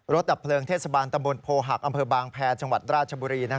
ดับเพลิงเทศบาลตำบลโพหักอำเภอบางแพรจังหวัดราชบุรี